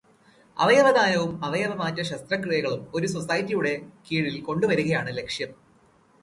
അവയവദാനവും അവയവമാറ്റ ശസ്ത്രക്രിയകളും ഒരു സൊസൈറ്റിയുടെ കീഴില് കൊണ്ടുവരികയാണ് ലക്ഷ്യം.